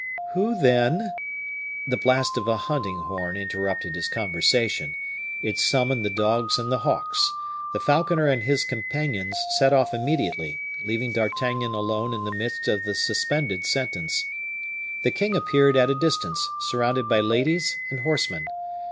"Who then " The blast of a hunting horn interrupted this conversation. It summoned the dogs and the hawks. The falconer and his companions set off immediately, leaving D'Artagnan alone in the midst of the suspended sentence. The king appeared at a distance, surrounded by ladies and horsemen.